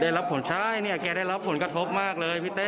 ได้รับผลใช่เนี่ยแกได้รับผลกระทบมากเลยพี่เต้